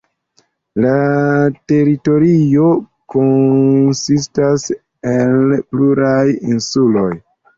La teritorio konsistas el pluraj insuloj.